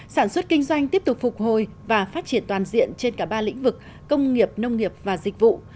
sản xuất kinh doanh tiếp tục phục hồi và phát triển toàn diện trên cả ba lĩnh vực công nghiệp nông nghiệp và dịch vụ